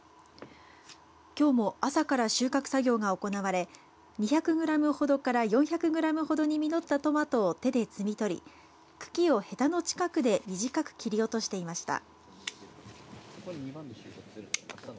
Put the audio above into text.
きょうも朝から収穫作業が行われ２００グラムほどから４００グラムほどに実ったトマトを手で摘み取り茎をへたの近くで短く切り落としていました。